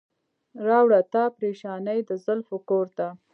راوړه تا پریشاني د زلفو کور ته.